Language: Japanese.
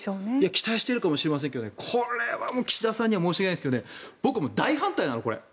期待しているかもしれませんがこれは岸田さんには申し訳ないですが僕は大反対なの、これ。